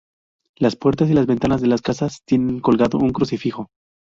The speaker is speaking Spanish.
Las puertas y las ventanas de las casas tienen colgando un crucifijo.